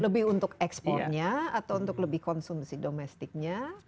lebih untuk ekspornya atau untuk lebih konsumsi domestiknya